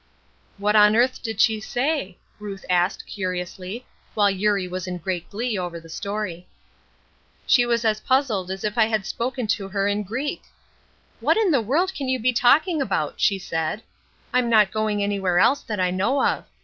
'" "What on earth did she say?" Ruth asked, curiously, while Eurie was in great glee over the story. "She was as puzzled as if I had spoken to her in Greek. 'What in the world can you be talking about?' she said. 'I'm not going anywhere else that I know of.